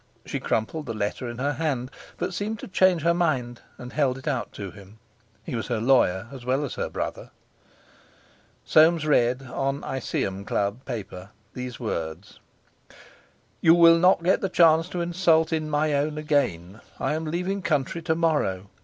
She crumpled the letter in her hand, but seemed to change her mind and held it out to him. He was her lawyer as well as her brother. Soames read, on Iseeum Club paper, these words: 'You will not get chance to insult in my own again. I am leaving country to morrow.